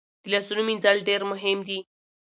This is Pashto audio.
د لاسونو مینځل ډیر مهم دي۔